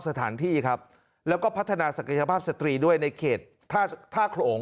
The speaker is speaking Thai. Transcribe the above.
สถานที่ครับแล้วก็พัฒนาศักยภาพสตรีด้วยในเขตท่าท่าโขลง